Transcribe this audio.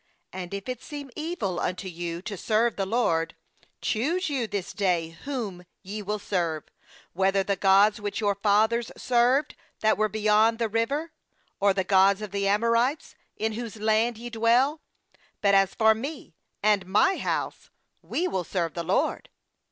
15And if it seem evil unto you to serve the LORD, choose you this day whom ye will serve; whether the gods which your fathers served that were beyond the River, or the gods of the Amorites, in whose land ye dwell; but as for me and my house, we will serve the LORD.'